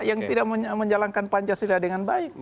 yang tidak menjalankan pancasila dengan baik